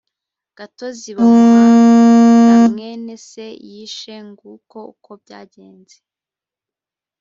gatozi bamuh ra mwene se yishe nguko uko byagenze